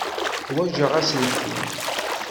Ḥwaǧeɣ aselkim.